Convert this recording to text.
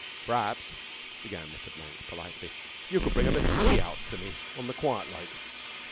"P'raps," began Mr. Blank politely, "you could bring a bit o' tea out to me on the quiet like."